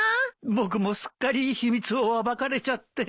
僕もすっかり秘密を暴かれちゃって。